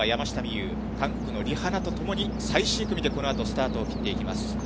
夢有、韓国のリ・ハナと共に最終組でこのあとスタートを切っていきます。